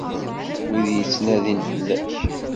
Wid yettnadin fell-ak.